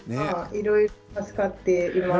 いろいろ助かっています。